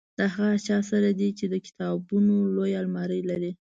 د هغه چا سره دی چې د کتابونو لویه المارۍ لري.